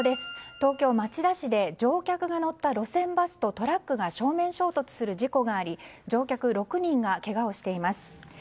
東京・町田市で乗客が乗った路線バスとトラックが正面衝突する事故があり乗客６人がけがをしています。